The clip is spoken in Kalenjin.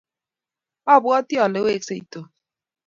abwatii ale wksei Tom.